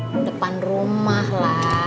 di depan rumah lah